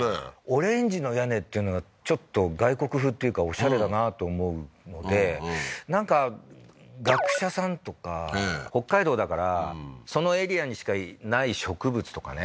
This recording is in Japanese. オレンジの屋根っていうのがちょっと外国風っていうかオシャレだなと思うのでなんか学者さんとか北海道だからそのエリアにしかない植物とかね